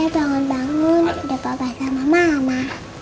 eh bangun bangun dari papa sama mama